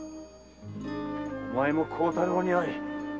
お前も孝太郎に会え〕